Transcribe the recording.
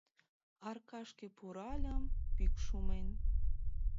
Аркашке пуральым, пӱкш умен